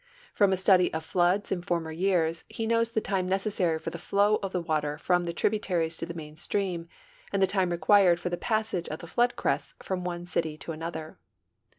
From a study of floods in former years, he knows the time necessary for the flow of the water from the tributaries to the main stream and the time required for the ])assage of the flood crests from one city to another.